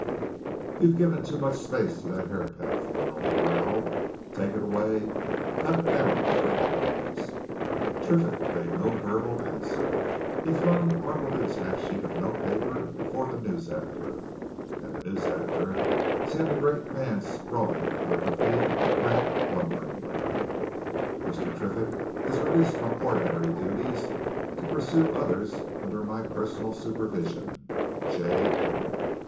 "You've given too much space to that Herapath funeral," he growled. "Take it away and cut it down to three quarters." Triffitt made no verbal answer. He flung Markledew's half sheet of notepaper before the news editor, and the news editor, seeing the great man's sprawling caligraphy, read, wonderingly: "Mr. Triffitt is released from ordinary duties to pursue others under my personal supervision. J. M."